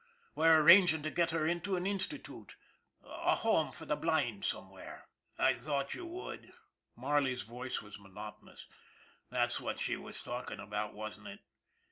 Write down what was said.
We're arranging to get her into an institute a home for the blind somewhere." " I thought you would " Marley's voice was mo notonous. " That's what she was talking about, wasn't it?"